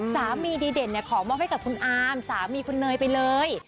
ดีเด่นขอมอบให้กับคุณอามสามีคุณเนยไปเลย